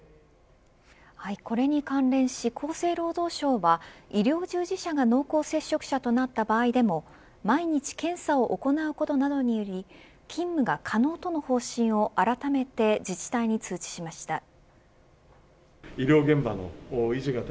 これに関連し、厚生労働省は医療従事者が濃厚接触者となった場合でも毎日検査を行うことなどにより勤務が可能との方針をあらためて自治体に通知しました。